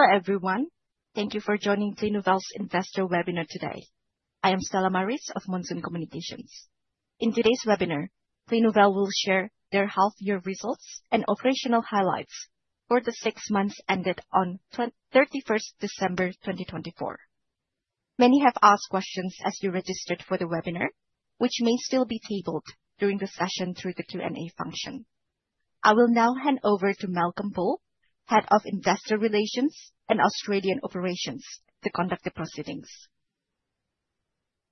Hello everyone, thank you for joining Clinuvel's investor webinar today. I am Stella Mariss of Monsoon Communications. In today's webinar, Clinuvel will share their half-year results and operational highlights for the six months ended on 31st December 2024. Many have asked questions as you registered for the webinar, which may still be tabled during the session through the Q&A function. I will now hand over to Malcolm Bull, Head of Investor Relations and Australian Operations, to conduct the proceedings.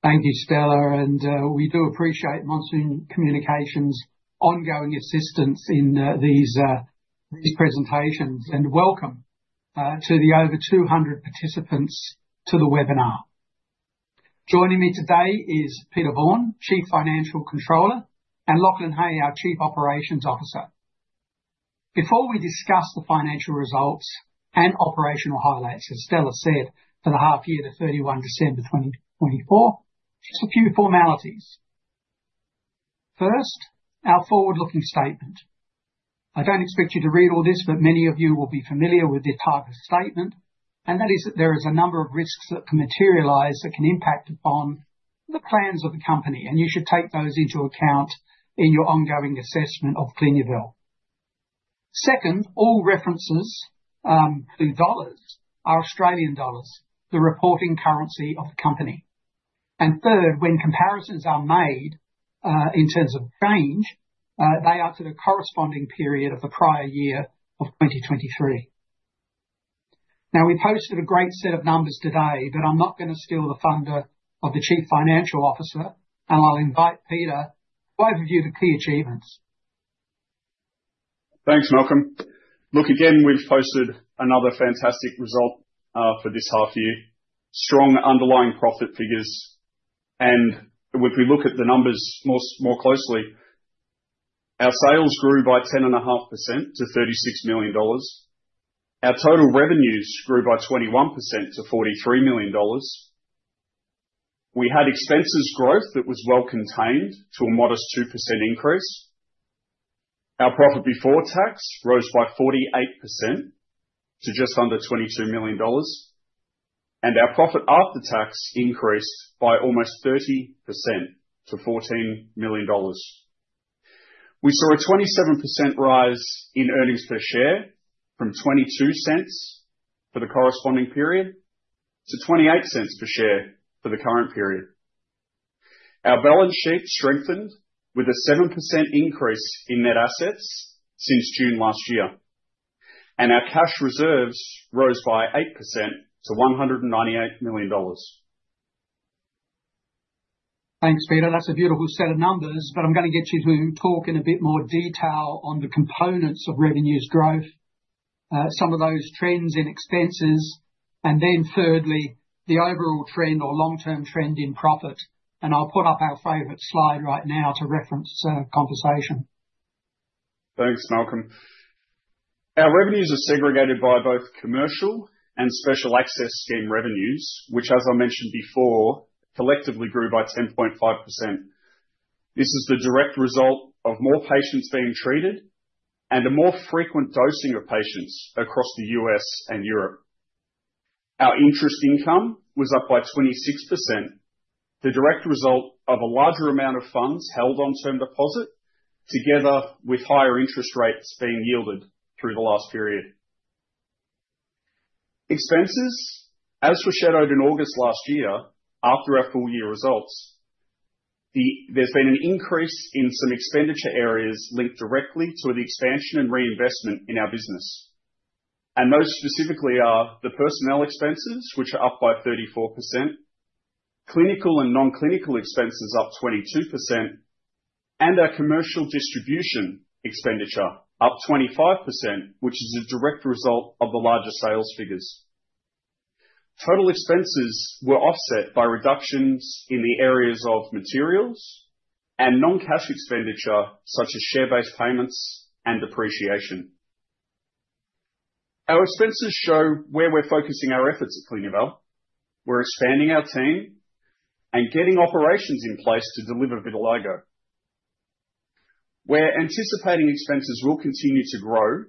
Thank you, Stella, and we do appreciate Monsoon Communications' ongoing assistance in these presentations, and welcome to the over 200 participants to the webinar. Joining me today is Peter Vaughan, Chief Financial Officer, and Lachlan Hay, our Chief Operations Officer. Before we discuss the financial results and operational highlights, as Stella said, for the half-year to 31 December 2024, just a few formalities. First, our forward-looking statement. I don't expect you to read all this, but many of you will be familiar with the target statement, and that is that there is a number of risks that can materialize that can impact upon the plans of the company, and you should take those into account in your ongoing assessment of Clinuvel. Second, all references to dollars are Australian dollars, the reporting currency of the company. And third, when comparisons are made in terms of change, they are to the corresponding period of the prior year of 2023. Now, we posted a great set of numbers today, but I'm not going to steal the thunder of the Chief Financial Officer, and I'll invite Peter to overview the key achievements. Thanks, Malcolm. Look, again, we've posted another fantastic result for this half-year: strong underlying profit figures, and if we look at the numbers more closely, our sales grew by 10.5% to 36 million dollars. Our total revenues grew by 21% to 43 million dollars. We had expenses growth that was well contained to a modest 2% increase. Our profit before tax rose by 48% to just under 22 million dollars, and our profit after tax increased by almost 30% to 14 million dollars. We saw a 27% rise in earnings per share from 0.22 for the corresponding period to 0.28 per share for the current period. Our balance sheet strengthened with a 7% increase in net assets since June last year, and our cash reserves rose by 8% to 198 million dollars. Thanks, Peter. That's a beautiful set of numbers, but I'm going to get you to talk in a bit more detail on the components of revenue growth, some of those trends in expenses, and then thirdly, the overall trend or long-term trend in profit, and I'll put up our favorite slide right now to reference the conversation. Thanks, Malcolm. Our revenues are segregated by both commercial and Special Access Scheme revenues, which, as I mentioned before, collectively grew by 10.5%. This is the direct result of more patients being treated and a more frequent dosing of patients across the U.S. and Europe. Our interest income was up by 26%, the direct result of a larger amount of funds held on term deposit together with higher interest rates being yielded through the last period. Expenses, as foreshadowed in August last year after our full-year results, there's been an increase in some expenditure areas linked directly to the expansion and reinvestment in our business, and those specifically are the personnel expenses, which are up by 34%, clinical and non-clinical expenses up 22%, and our commercial distribution expenditure up 25%, which is a direct result of the larger sales figures. Total expenses were offset by reductions in the areas of materials and non-cash expenditure such as share-based payments and depreciation. Our expenses show where we're focusing our efforts at Clinuvel. We're expanding our team and getting operations in place to deliver Vitiligo. We're anticipating expenses will continue to grow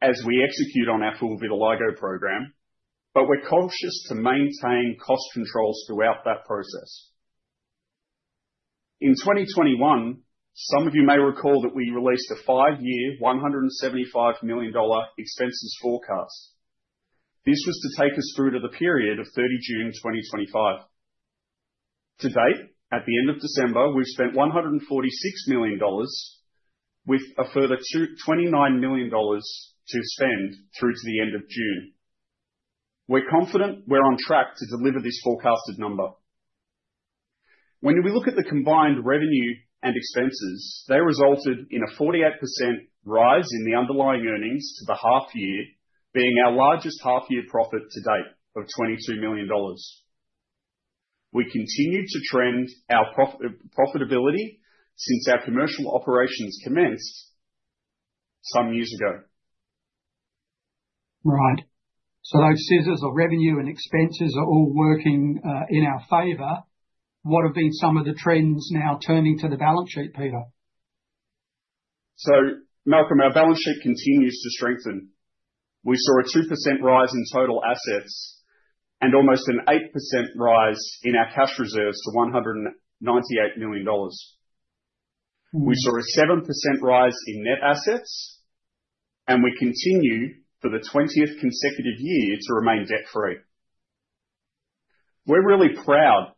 as we execute on our full Vitiligo program, but we're cautious to maintain cost controls throughout that process. In 2021, some of you may recall that we released a five-year 175 million dollar expenses forecast. This was to take us through to the period of 30 June 2025. To date, at the end of December, we've spent 146 million dollars with a further 29 million dollars to spend through to the end of June. We're confident we're on track to deliver this forecasted number. When we look at the combined revenue and expenses, they resulted in a 48% rise in the underlying earnings to the half-year, being our largest half-year profit to date of 22 million dollars. We continue to trend our profitability since our commercial operations commenced some years ago. Right. So those scissors of revenue and expenses are all working in our favor. What have been some of the trends now turning to the balance sheet, Peter? Malcolm, our balance sheet continues to strengthen. We saw a 2% rise in total assets and almost an 8% rise in our cash reserves to 198 million dollars. We saw a 7% rise in net assets, and we continue for the 20th consecutive year to remain debt-free. We're really proud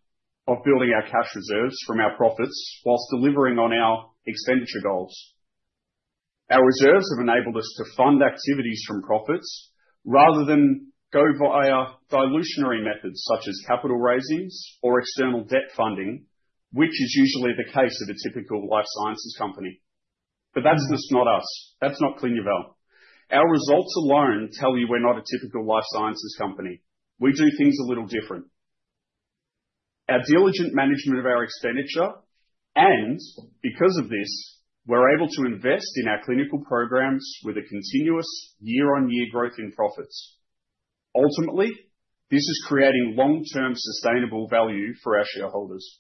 of building our cash reserves from our profits while delivering on our expenditure goals. Our reserves have enabled us to fund activities from profits rather than go via dilutive methods such as capital raisings or external debt funding, which is usually the case of a typical life sciences company. But that's just not us. That's not Clinuvel. Our results alone tell you we're not a typical life sciences company. We do things a little different. Our diligent management of our expenditure, and because of this, we're able to invest in our clinical programs with a continuous year-on-year growth in profits. Ultimately, this is creating long-term sustainable value for our shareholders.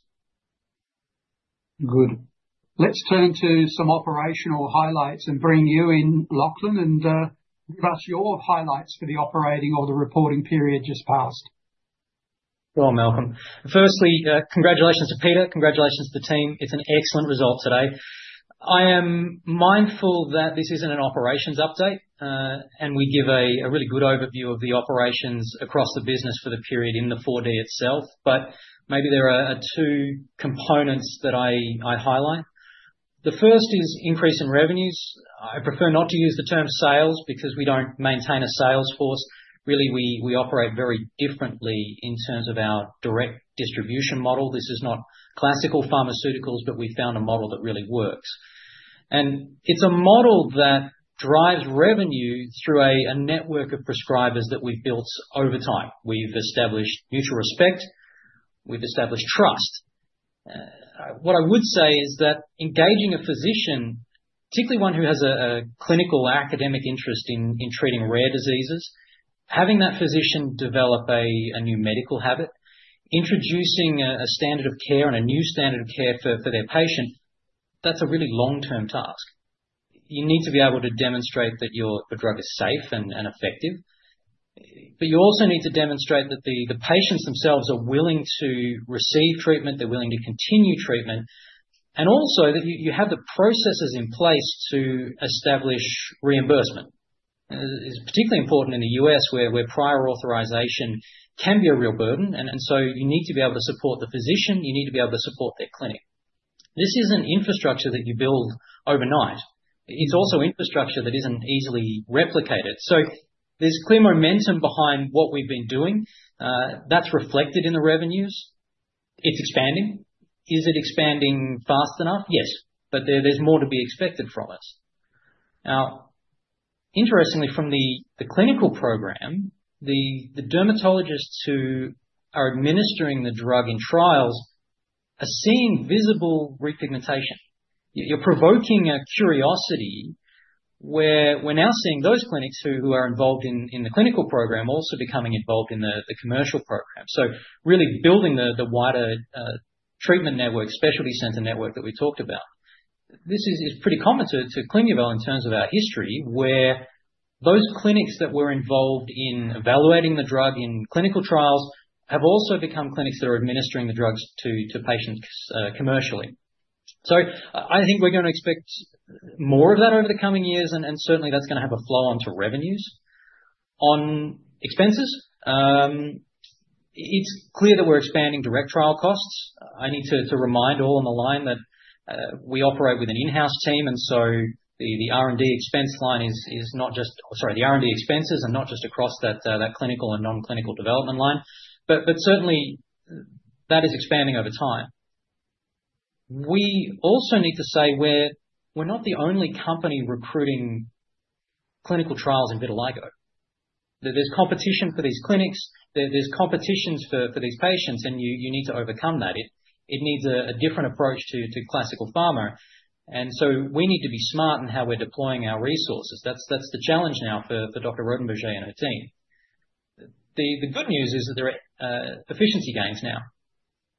Good. Let's turn to some operational highlights and bring you in, Lachlan, and give us your highlights for the operating or the reporting period just passed. Sure, Malcolm. Firstly, congratulations to Peter. Congratulations to the team. It's an excellent result today. I am mindful that this isn't an operations update, and we give a really good overview of the operations across the business for the period in the 4D itself, but maybe there are two components that I highlight. The first is increase in revenues. I prefer not to use the term sales because we don't maintain a sales force. Really, we operate very differently in terms of our direct distribution model. This is not classical pharmaceuticals, but we found a model that really works. And it's a model that drives revenue through a network of prescribers that we've built over time. We've established mutual respect. We've established trust. What I would say is that engaging a physician, particularly one who has a clinical academic interest in treating rare diseases, having that physician develop a new medical habit, introducing a standard of care and a new standard of care for their patient, that's a really long-term task. You need to be able to demonstrate that your drug is safe and effective, but you also need to demonstrate that the patients themselves are willing to receive treatment, they're willing to continue treatment, and also that you have the processes in place to establish reimbursement. It's particularly important in the U.S. where prior authorization can be a real burden, and so you need to be able to support the physician, you need to be able to support their clinic. This isn't infrastructure that you build overnight. It's also infrastructure that isn't easily replicated. So there's clear momentum behind what we've been doing. That's reflected in the revenues. It's expanding. Is it expanding fast enough? Yes, but there's more to be expected from us. Now, interestingly, from the clinical program, the dermatologists who are administering the drug in trials are seeing visible repigmentation. You're provoking a curiosity where we're now seeing those clinics who are involved in the clinical program also becoming involved in the commercial program. So really building the wider treatment network, specialty center network that we talked about. This is pretty common to Clinuvel in terms of our history, where those clinics that were involved in evaluating the drug in clinical trials have also become clinics that are administering the drugs to patients commercially. So I think we're going to expect more of that over the coming years, and certainly that's going to have a flow onto revenues. On expenses, it's clear that we're expanding direct trial costs. I need to remind all on the line that we operate with an in-house team, and so the R&D expense line is not just, or sorry, the R&D expenses are not just across that clinical and non-clinical development line, but certainly that is expanding over time. We also need to say we're not the only company recruiting clinical trials in Vitiligo. There's competition for these clinics, there's competitions for these patients, and you need to overcome that. It needs a different approach to classical pharma, and so we need to be smart in how we're deploying our resources. That's the challenge now for Dr. Rodenburger and her team. The good news is that there are efficiency gains now.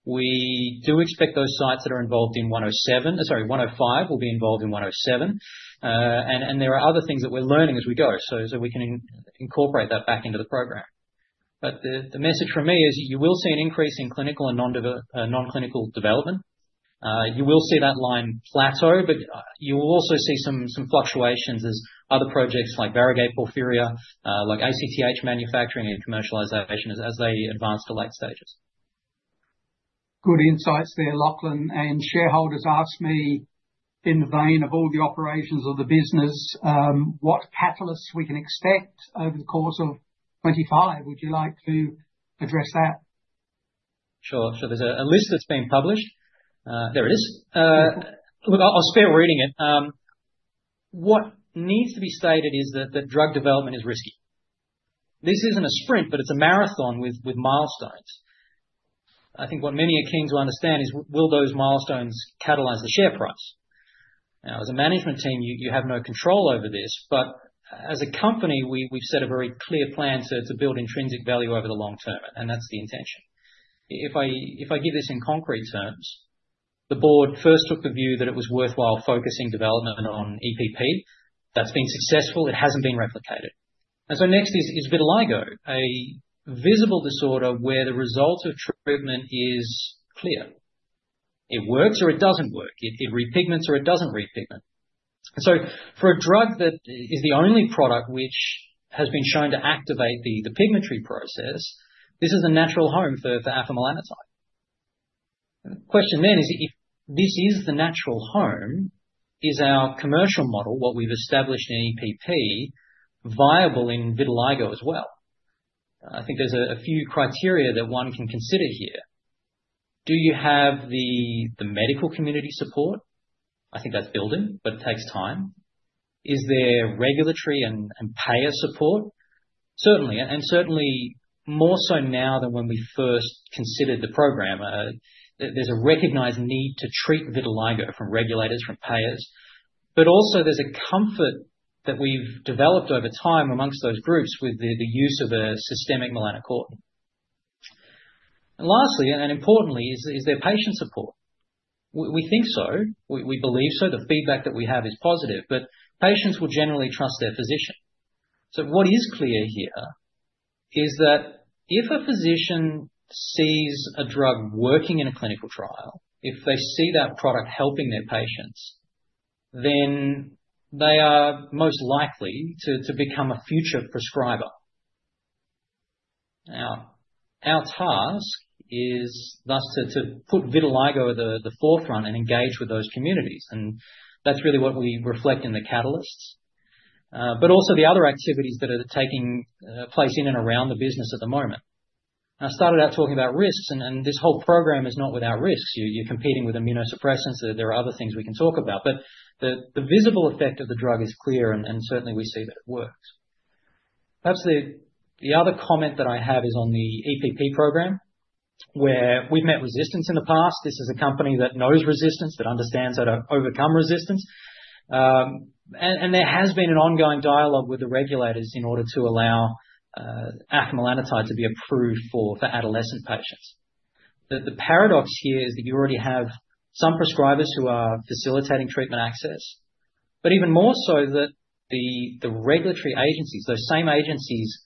We do expect those sites that are involved in 107, sorry, 105 will be involved in 107, and there are other things that we're learning as we go so we can incorporate that back into the program. But the message from me is you will see an increase in clinical and non-clinical development. You will see that line plateau, but you will also see some fluctuations as other projects variegate porphyria, like ACTH manufacturing and commercialization as they advance to late stages. Good insights there, Lachlan. And shareholders ask me in the vein of all the operations of the business what catalysts we can expect over the course of 2025. Would you like to address that? Sure. So there's a list that's been published. There it is. Look, I'll spare reading it. What needs to be stated is that drug development is risky. This isn't a sprint, but it's a marathon with milestones. I think what many are keen to understand is, will those milestones catalyze the share price? Now, as a management team, you have no control over this, but as a company, we've set a very clear plan to build intrinsic value over the long term, and that's the intention. If I give this in concrete terms, the board first took the view that it was worthwhile focusing development on EPP. That's been successful. It hasn't been replicated. And so next is Vitiligo, a visible disorder where the result of treatment is clear. It works or it doesn't work. It repigments or it doesn't repigment. For a drug that is the only product which has been shown to activate the pigmentary process, this is a natural home for afamelanotide. The question then is, if this is the natural home, is our commercial model, what we've established in EPP, viable in Vitiligo as well? I think there's a few criteria that one can consider here. Do you have the medical community support? I think that's building, but it takes time. Is there regulatory and payer support? Certainly, and certainly more so now than when we first considered the program. There's a recognized need to treat Vitiligo from regulators, from payers, but also there's a comfort that we've developed over time amongst those groups with the use of a systemic melanocortin. And lastly, and importantly, is there patient support? We think so. We believe so. The feedback that we have is positive, but patients will generally trust their physician. So what is clear here is that if a physician sees a drug working in a clinical trial, if they see that product helping their patients, then they are most likely to become a future prescriber. Now, our task is thus to put Vitiligo at the forefront and engage with those communities, and that's really what we reflect in the catalysts, but also the other activities that are taking place in and around the business at the moment. I started out talking about risks, and this whole program is not without risks. You're competing with immunosuppressants. There are other things we can talk about, but the visible effect of the drug is clear, and certainly we see that it works. Perhaps the other comment that I have is on the EPP program, where we've met resistance in the past. This is a company that knows resistance, that understands how to overcome resistance, and there has been an ongoing dialogue with the regulators in order to allow afamelanotide to be approved for adolescent patients. The paradox here is that you already have some prescribers who are facilitating treatment access, but even more so that the regulatory agencies, those same agencies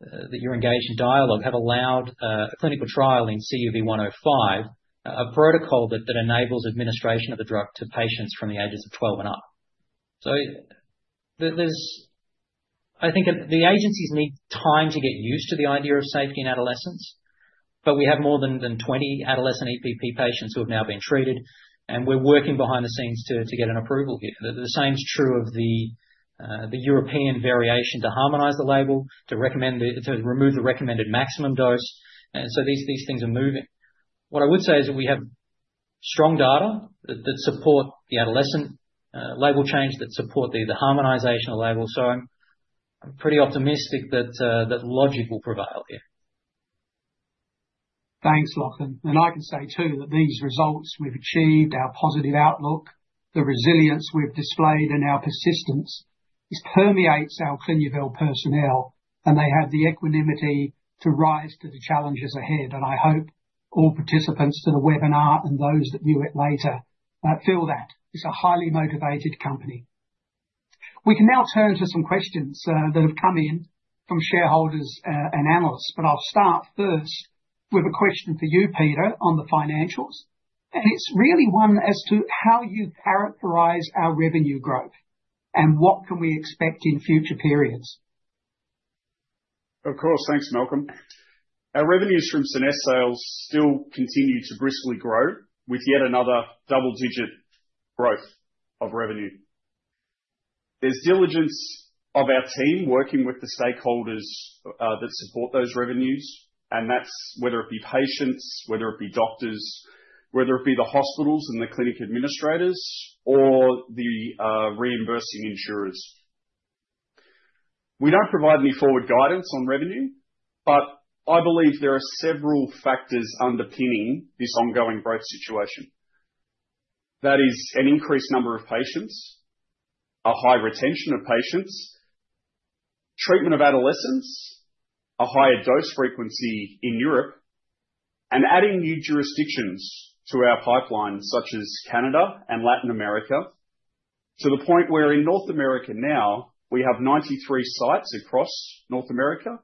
that you're engaged in dialogue have allowed a clinical trial in CUV105, a protocol that enables administration of the drug to patients from the ages of 12 and up. So I think the agencies need time to get used to the idea of safety in adolescents, but we have more than 20 adolescent EPP patients who have now been treated, and we're working behind the scenes to get an approval here. The same's true of the European variation to harmonize the label, to remove the recommended maximum dose, and so these things are moving. What I would say is that we have strong data that support the adolescent label change, that support the harmonization of labels, so I'm pretty optimistic that logic will prevail here. Thanks, Lachlan. And I can say too that these results we've achieved, our positive outlook, the resilience we've displayed in our persistence, this permeates our Clinuvel personnel, and they have the equanimity to rise to the challenges ahead, and I hope all participants to the webinar and those that view it later feel that. It's a highly motivated company. We can now turn to some questions that have come in from shareholders and analysts, but I'll start first with a question for you, Peter, on the financials, and it's really one as to how you characterize our revenue growth and what can we expect in future periods. Of course. Thanks, Malcolm. Our revenues from SCENESSE still continue to briskly grow with yet another double-digit growth of revenue. There's diligence of our team working with the stakeholders that support those revenues, and that's whether it be patients, whether it be doctors, whether it be the hospitals and the clinic administrators, or the reimbursing insurers. We don't provide any forward guidance on revenue, but I believe there are several factors underpinning this ongoing growth situation. That is an increased number of patients, a high retention of patients, treatment of adolescents, a higher dose frequency in Europe, and adding new jurisdictions to our pipeline, such as Canada and Latin America, to the point where in North America now we have 93 sites across North America,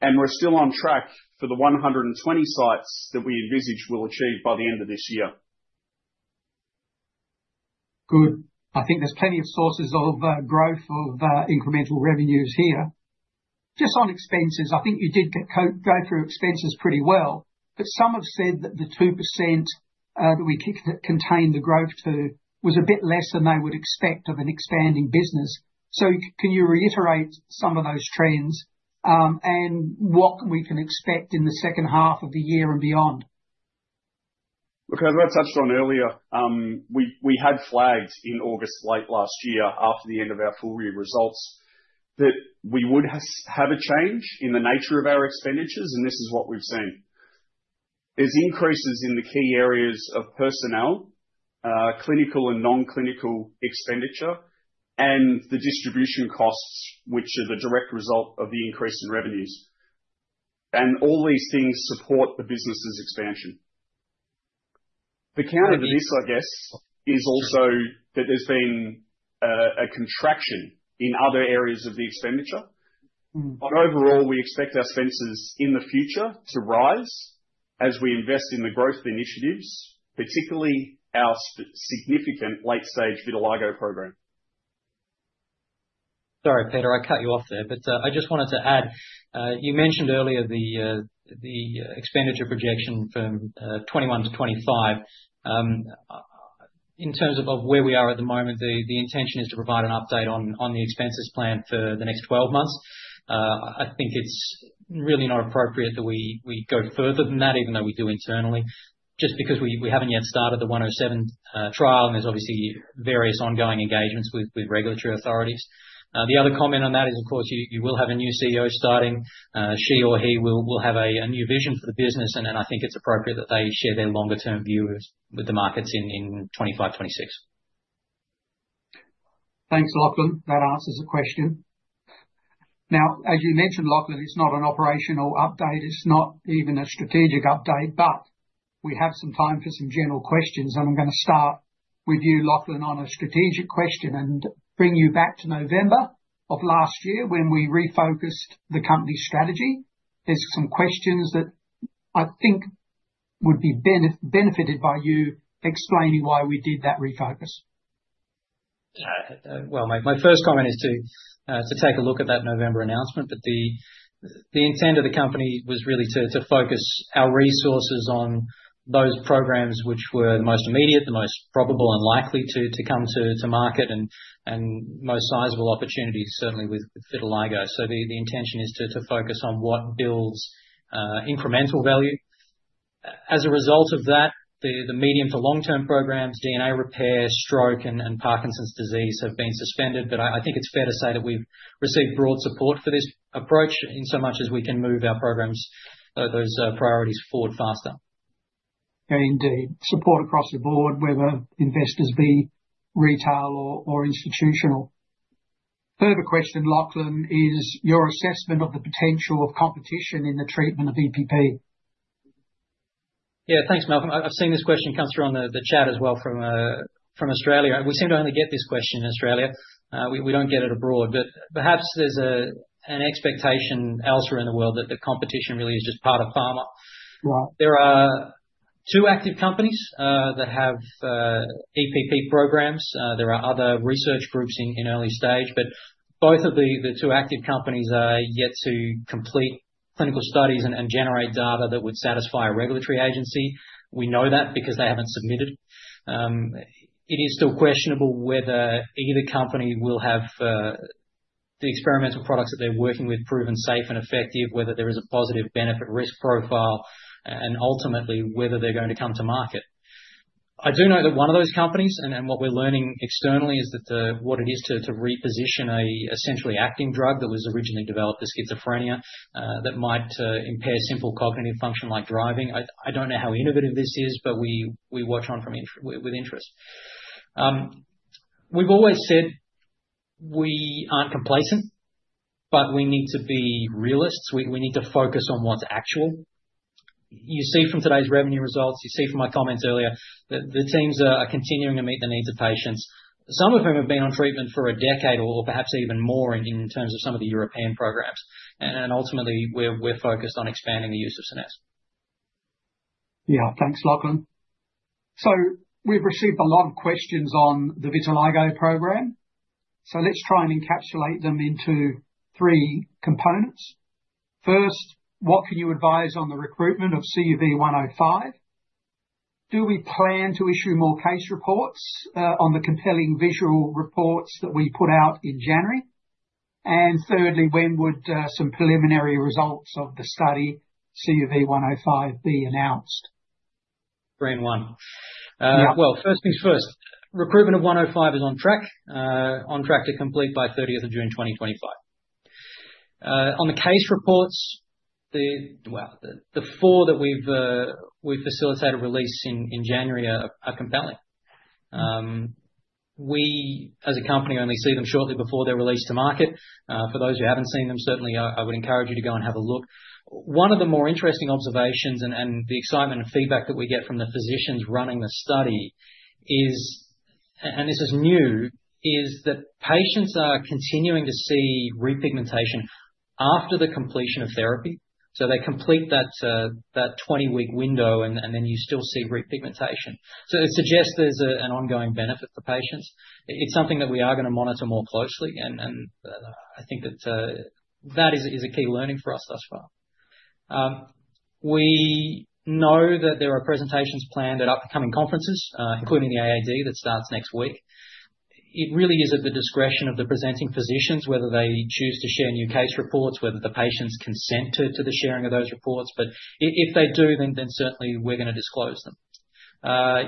and we're still on track for the 120 sites that we envisage we'll achieve by the end of this year. Good. I think there's plenty of sources of growth of incremental revenues here. Just on expenses, I think you did go through expenses pretty well, but some have said that the 2% that we contained the growth to was a bit less than they would expect of an expanding business. So can you reiterate some of those trends and what we can expect in the second half of the year and beyond? Look, as I touched on earlier, we had flagged in August, late last year, after the end of our full year results, that we would have a change in the nature of our expenditures, and this is what we've seen. There's increases in the key areas of personnel, clinical and non-clinical expenditure, and the distribution costs, which are the direct result of the increase in revenues. And all these things support the business's expansion. The counter to this, I guess, is also that there's been a contraction in other areas of the expenditure, but overall we expect our expenses in the future to rise as we invest in the growth initiatives, particularly our significant late-stage Vitiligo program. Sorry, Peter, I cut you off there, but I just wanted to add. You mentioned earlier the expenditure projection from 2021 to 2025. In terms of where we are at the moment, the intention is to provide an update on the expenses plan for the next 12 months. I think it's really not appropriate that we go further than that, even though we do internally, just because we haven't yet started the 107 trial, and there's obviously various ongoing engagements with regulatory authorities. The other comment on that is, of course, you will have a new CEO starting. She or he will have a new vision for the business, and I think it's appropriate that they share their longer-term views with the markets in 2025, 2026. Thanks, Lachlan. That answers the question. Now, as you mentioned, Lachlan, it's not an operational update. It's not even a strategic update, but we have some time for some general questions, and I'm going to start with you, Lachlan, on a strategic question and bring you back to November of last year when we refocused the company strategy. There's some questions that I think would be benefited by you explaining why we did that refocus. My first comment is to take a look at that November announcement, but the intent of the company was really to focus our resources on those programs which were the most immediate, the most probable, and likely to come to market, and most sizable opportunities, certainly with Vitiligo. The intention is to focus on what builds incremental value. As a result of that, the medium to long-term programs, DNA repair, stroke, and Parkinson's disease have been suspended, but I think it's fair to say that we've received broad support for this approach in so much as we can move our programs, those priorities, forward faster. Indeed. Support across the board, whether investors be retail or institutional. Further question, Lachlan, is your assessment of the potential of competition in the treatment of EPP? Yeah, thanks, Malcolm. I've seen this question come through on the chat as well from Australia. We seem to only get this question in Australia. We don't get it abroad, but perhaps there's an expectation elsewhere in the world that the competition really is just part of pharma. There are two active companies that have EPP programs. There are other research groups in early stage, but both of the two active companies are yet to complete clinical studies and generate data that would satisfy a regulatory agency. We know that because they haven't submitted. It is still questionable whether either company will have the experimental products that they're working with proven safe and effective, whether there is a positive benefit-risk profile, and ultimately whether they're going to come to market. I do know that one of those companies, and what we're learning externally, is that what it is to reposition a centrally acting drug that was originally developed for schizophrenia that might impair simple cognitive function like driving. I don't know how innovative this is, but we watch on with interest. We've always said we aren't complacent, but we need to be realists. We need to focus on what's actual. You see from today's revenue results, you see from my comments earlier that the teams are continuing to meet the needs of patients, some of whom have been on treatment for a decade or perhaps even more in terms of some of the European programs, and ultimately we're focused on expanding the use of SCENESSE. Yeah, thanks, Lachlan. We've received a lot of questions on the Vitiligo program, so let's try and encapsulate them into three components. First, what can you advise on the recruitment of CUV105? Do we plan to issue more case reports on the compelling visual reports that we put out in January? And thirdly, when would some preliminary results of the study CUV105 be announced? Great one. Well, first things first, recruitment of CUV105 is on track, on track to complete by 30th of June 2025. On the case reports, well, the four that we've facilitated release in January are compelling. We, as a company, only see them shortly before they're released to market. For those who haven't seen them, certainly I would encourage you to go and have a look. One of the more interesting observations and the excitement and feedback that we get from the physicians running the study is, and this is new, that patients are continuing to see repigmentation after the completion of therapy. So they complete that 20-week window, and then you still see repigmentation. So it suggests there's an ongoing benefit for patients. It's something that we are going to monitor more closely, and I think that that is a key learning for us thus far. We know that there are presentations planned at upcoming conferences, including the AAD that starts next week. It really is at the discretion of the presenting physicians whether they choose to share new case reports, whether the patients consent to the sharing of those reports, but if they do, then certainly we're going to disclose them.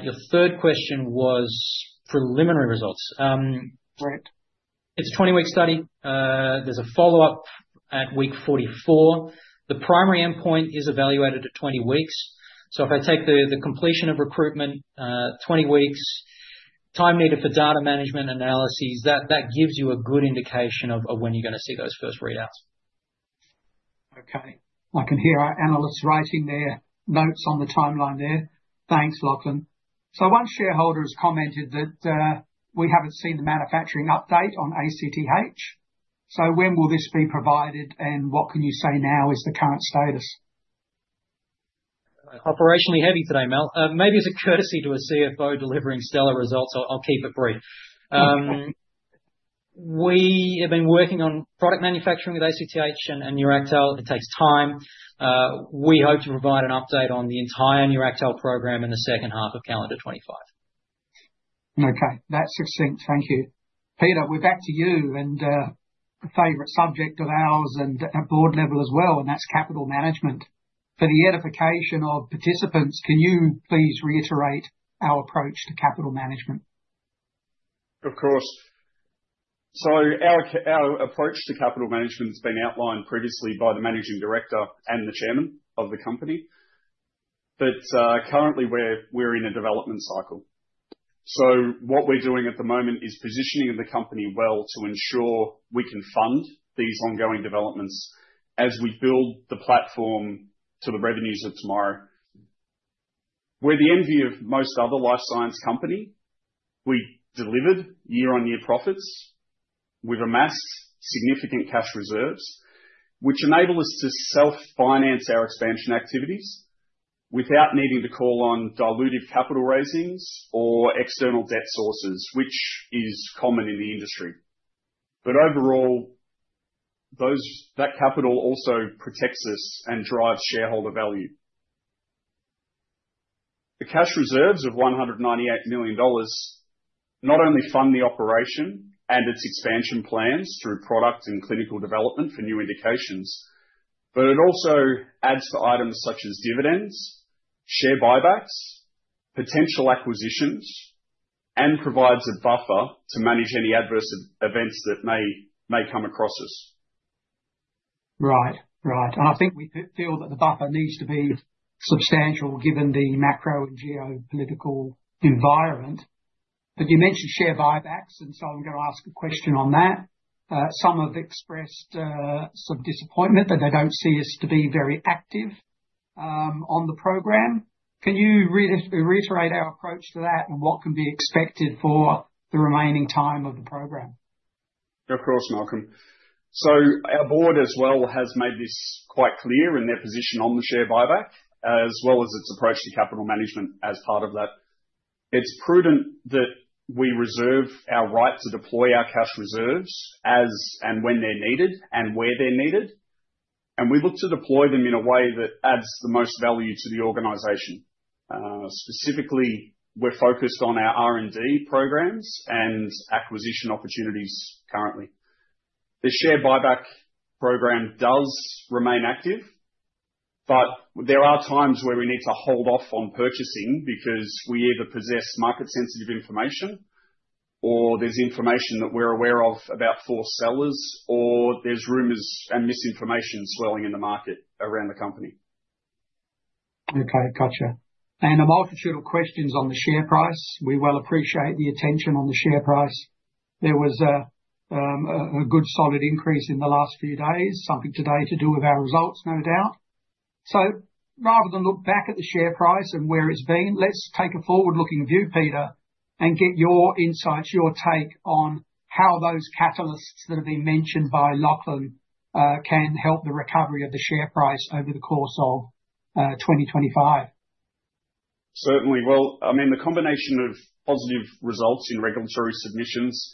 Your third question was preliminary results. It's a 20-week study. There's a follow-up at week 44. The primary endpoint is evaluated at 20 weeks. So if I take the completion of recruitment, 20 weeks, time needed for data management analyses, that gives you a good indication of when you're going to see those first readouts. Okay. I can hear our analysts writing their notes on the timeline there. Thanks, Lachlan. So one shareholder has commented that we haven't seen the manufacturing update on ACTH. So when will this be provided, and what can you say now is the current status? Operationally heavy today, Mel. Maybe it's a courtesy to a CFO delivering stellar results. I'll keep it brief. We have been working on product manufacturing with ACTH and NEURACTHEL. It takes time. We hope to provide an update on the entire NEURACTHEL program in the second half of calendar 2025. Okay. That's succinct. Thank you. Peter, we're back to you and a favorite subject of ours and at board level as well, and that's capital management. For the edification of participants, can you please reiterate our approach to capital management? Of course. So our approach to capital management has been outlined previously by the managing director and the chairman of the company, but currently we're in a development cycle. So what we're doing at the moment is positioning the company well to ensure we can fund these ongoing developments as we build the platform to the revenues of tomorrow. We're the envy of most other life science company. We delivered year-on-year profits. We've amassed significant cash reserves, which enable us to self-finance our expansion activities without needing to call on diluted capital raisings or external debt sources, which is common in the industry. But overall, that capital also protects us and drives shareholder value. The cash reserves of 198 million dollars not only fund the operation and its expansion plans through product and clinical development for new indications, but it also adds to items such as dividends, share buybacks, potential acquisitions, and provides a buffer to manage any adverse events that may come across us. Right. Right. And I think we feel that the buffer needs to be substantial given the macro and geopolitical environment. But you mentioned share buybacks, and so I'm going to ask a question on that. Some have expressed some disappointment that they don't see us to be very active on the program. Can you reiterate our approach to that and what can be expected for the remaining time of the program? Of course, Malcolm. So our board as well has made this quite clear in their position on the share buyback, as well as its approach to capital management as part of that. It's prudent that we reserve our right to deploy our cash reserves as and when they're needed and where they're needed. And we look to deploy them in a way that adds the most value to the organization. Specifically, we're focused on our R&D programs and acquisition opportunities currently. The share buyback program does remain active, but there are times where we need to hold off on purchasing because we either possess market-sensitive information or there's information that we're aware of about false sellers or there's rumors and misinformation swirling in the market around the company. Okay. Gotcha. And a multitude of questions on the share price. We well appreciate the attention on the share price. There was a good solid increase in the last few days, something today to do with our results, no doubt. So rather than look back at the share price and where it's been, let's take a forward-looking view, Peter, and get your insights, your take on how those catalysts that have been mentioned by Lachlan can help the recovery of the share price over the course of 2025. Certainly, well, I mean, the combination of positive results in regulatory submissions,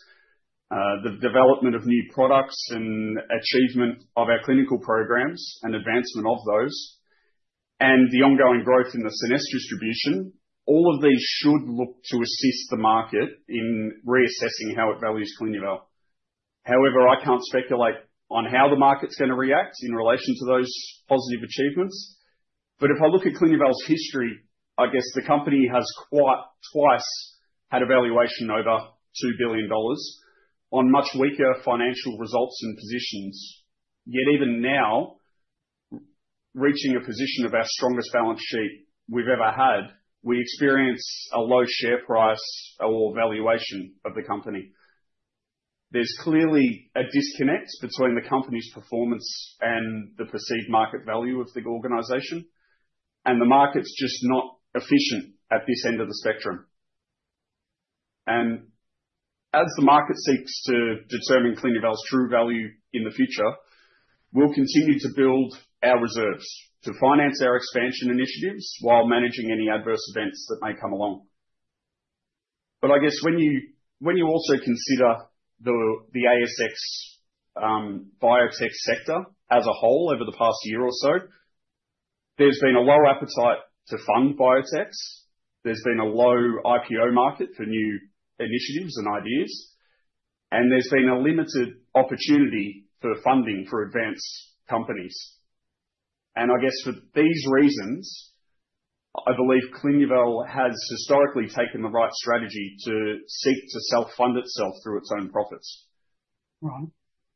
the development of new products and achievement of our clinical programs and advancement of those, and the ongoing growth in the SCENESSE distribution, all of these should look to assist the market in reassessing how it values Clinuvel. However, I can't speculate on how the market's going to react in relation to those positive achievements, but if I look at Clinuvel's history, I guess the company has twice had a valuation over 2 billion dollars on much weaker financial results and positions. Yet even now, reaching a position of our strongest balance sheet we've ever had, we experience a low share price or valuation of the company. There's clearly a disconnect between the company's performance and the perceived market value of the organization, and the market's just not efficient at this end of the spectrum. And as the market seeks to determine Clinuvel's true value in the future, we'll continue to build our reserves to finance our expansion initiatives while managing any adverse events that may come along. But I guess when you also consider the ASX biotech sector as a whole over the past year or so, there's been a low appetite to fund biotechs. There's been a low IPO market for new initiatives and ideas, and there's been a limited opportunity for funding for advanced companies. And I guess for these reasons, I believe Clinuvel has historically taken the right strategy to seek to self-fund itself through its own profits.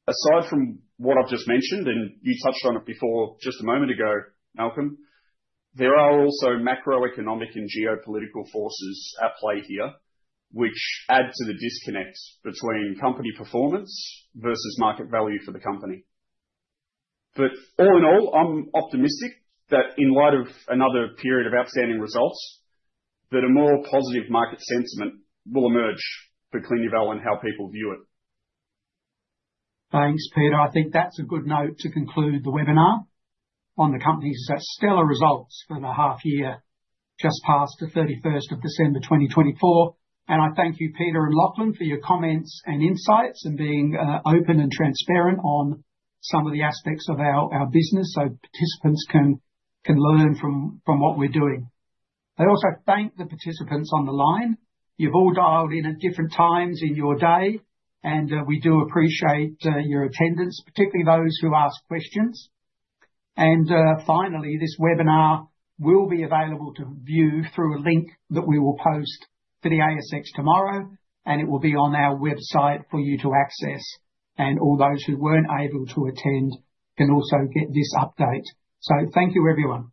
Aside from what I've just mentioned, and you touched on it before just a moment ago, Malcolm, there are also macroeconomic and geopolitical forces at play here, which add to the disconnect between company performance versus market value for the company. But all in all, I'm optimistic that in light of another period of outstanding results, that a more positive market sentiment will emerge for Clinuvel and how people view it. Thanks, Peter. I think that's a good note to conclude the webinar on the company's stellar results for the half year just past the 31st of December 2024. And I thank you, Peter and Lachlan, for your comments and insights and being open and transparent on some of the aspects of our business so participants can learn from what we're doing. I also thank the participants on the line. You've all dialed in at different times in your day, and we do appreciate your attendance, particularly those who asked questions. And finally, this webinar will be available to view through a link that we will post to the ASX tomorrow, and it will be on our website for you to access. And all those who weren't able to attend can also get this update. So thank you, everyone.